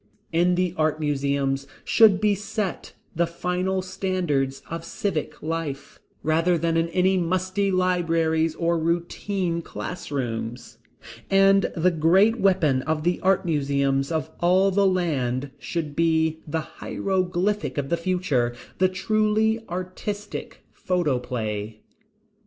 In the art museums should be set the final standards of civic life, rather than in any musty libraries or routine classrooms. And the great weapon of the art museums of all the land should be the hieroglyphic of the future, the truly artistic photoplay.